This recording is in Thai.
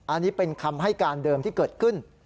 อันนี้เป็นคำให้การเดิมที่เกิดขึ้น